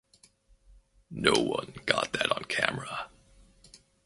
No one got that on camera.